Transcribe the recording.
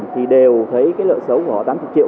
thì đều thấy cái nợ xấu của họ tám mươi triệu